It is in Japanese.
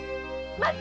待って！